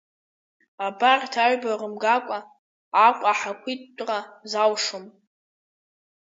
Абарҭ аҩба рымгакәа Аҟәа ахақәиҭтәра залшом.